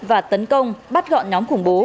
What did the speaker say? và tấn công bắt gọn nhóm khủng bố